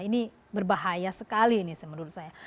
ini berbahaya sekali ini menurut saya